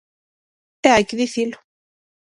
E hai que dicilo.